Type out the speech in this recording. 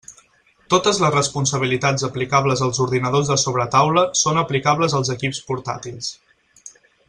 Totes les responsabilitats aplicables als ordinadors de sobretaula són aplicables als equips portàtils.